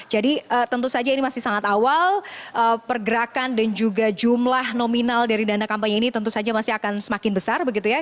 jadi tentu saja ini masih sangat awal pergerakan dan juga jumlah nominal dari dana kampanye ini tentu saja masih akan semakin besar begitu ya